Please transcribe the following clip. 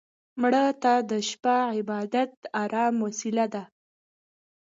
مړه ته د شپه عبادت د ارام وسيله ده